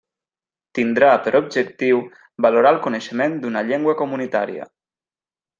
Tindrà per objectiu valorar el coneixement d'una llengua comunitària.